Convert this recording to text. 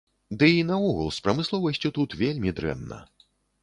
Ды і наогул з прамысловасцю тут вельмі дрэнна.